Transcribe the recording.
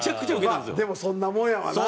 まあでもそんなもんやわな。